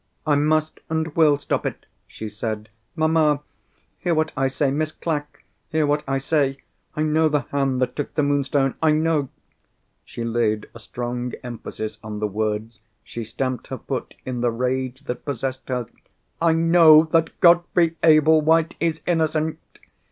"I must, and will, stop it," she said. "Mamma! hear what I say. Miss Clack! hear what I say. I know the hand that took the Moonstone. I know—" she laid a strong emphasis on the words; she stamped her foot in the rage that possessed her—"_I know that Godfrey Ablewhite is innocent!